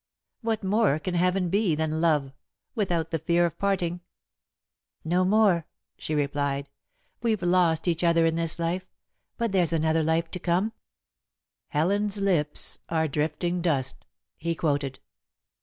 What more can heaven be than love without the fear of parting?" "No more," she replied. "We've lost each other in this life, but there's another life to come." [Sidenote: Whirling Atoms] "'Helen's lips are drifting dust,'" he quoted.